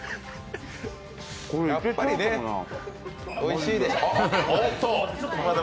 やっぱりね、おいしいでしょ？